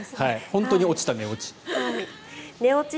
本当に落ちた、寝落ち。